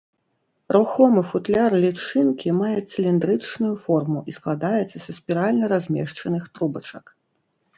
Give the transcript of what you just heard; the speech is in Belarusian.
Рухомы футляр лічынкі мае цыліндрычную форму і складаецца са спіральна размешчаных трубачак.